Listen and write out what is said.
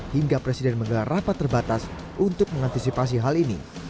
hingga presiden menggelar rapat terbatas untuk mengantisipasi hal ini